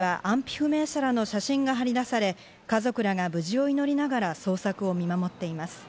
現場近くには安否不明者らの写真が張り出され、家族らが無事を祈りながら捜索を見守っています。